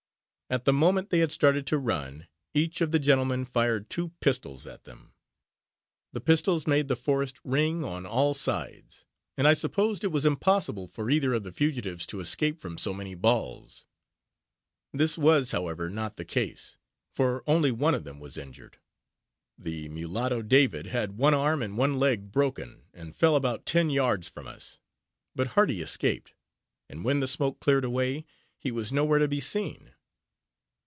At the moment they had started to run, each of the gentlemen fired two pistols at them. The pistols made the forest ring on all sides; and I supposed it was impossible for either of the fugitives to escape from so many balls. This was, however, not the case; for only one of them was injured. The mulatto, David, had one arm and one leg broken, and fell about ten yards from us; but Hardy escaped, and when the smoke cleared away, he was nowhere to be seen.